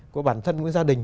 của bản thân với gia đình